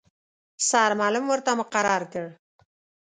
سرمعلم ورته مقرر کړ.